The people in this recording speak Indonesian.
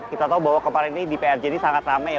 kita tahu bahwa kemarin ini di prj ini sangat ramai ya